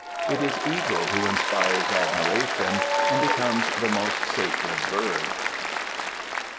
It is Eagle who inspires admiration, and becomes the most sacred bird.